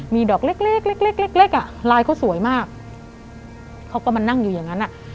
มีดอกเล็กอะลายเค้าสวยมากเค้ากำลังนั่งอยู่อย่างนั้นอะ